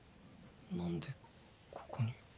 何でここに？